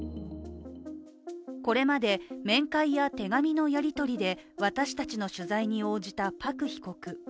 これまで面会や手紙のやり取りで私たちの取材に応じたパク被告。